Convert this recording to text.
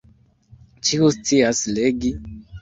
Ĉiu scias legi.